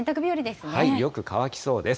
よく乾きそうです。